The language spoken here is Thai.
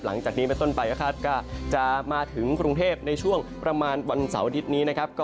หลังจากนี้ไปต้นไปก็คาดว่าจะมาถึงกรุงเทพในช่วงประมาณวันเสาร์อาทิตย์นี้นะครับ